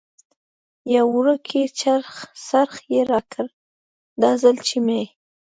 یو وړوکی څرخ یې راکړ، دا ځل چې مې.